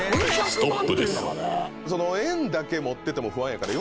円だけ持ってても不安やから。